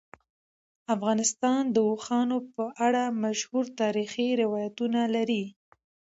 افغانستان د اوښانو په اړه مشهور تاریخی روایتونه لري.